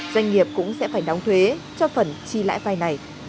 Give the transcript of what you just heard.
doanh nghiệp cũng sẽ phải đóng thuế cho phần chi lãi vay này